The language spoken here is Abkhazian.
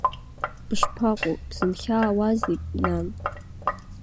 Бышԥаҟоу, бзынхьаауазеи, нан?